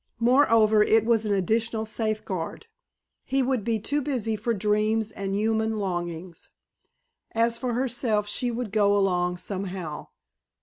Moreover, it was an additional safeguard. He would be too busy for dreams and human longings. As for herself she would go along somehow.